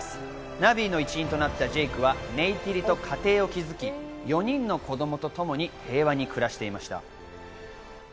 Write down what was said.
ナヴィの一員となったジェイクはネイティリと家庭を築き、４人の子供とともに平和に暮らしていました。